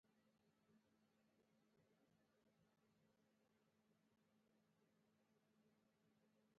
خپله راتلونکې راته تياره ښکاري.